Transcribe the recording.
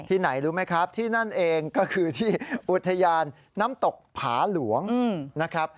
ไหนรู้ไหมครับที่นั่นเองก็คือที่อุทยานน้ำตกผาหลวงนะครับ